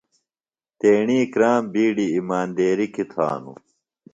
تیݨی کرام بِیڈیۡ ایماندیرِیۡ کیۡ تھانوۡ۔